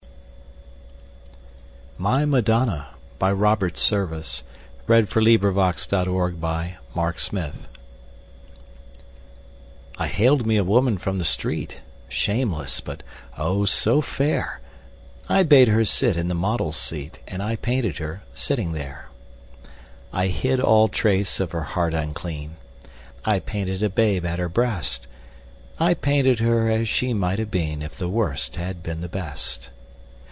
My Madonna I haled me a woman from the street, Shameless, but, oh, so fair! I bade her sit in the model's seat And I painted her sitting there. I hid all trace of her heart unclean; I painted a babe at her breast; I painted her as she might have been If the Worst had been the Best.